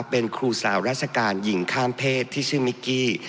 เป็นครูสาวราชการหญิงข้ามเพศที่ชื่อมิกกี้